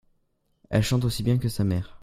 Elle chante aussi bien que sa mère.